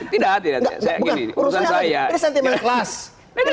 tidak tidak saya ini urusan saya